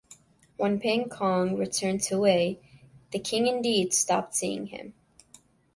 When Pang Cong returned to Wei, the King indeed stopped seeing him.